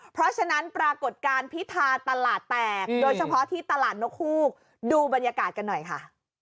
เพราะฉะนั้นปรากฏการณ์พิธาตลาดแตกโดยเฉพาะที่ตลาดนกฮูกดูบรรยากาศกันหน่อยค่ะ